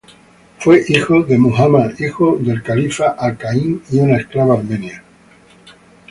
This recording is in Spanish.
Fue hijo de Muhammad, hijo del califa Al-Qa'im, y una esclava armenia.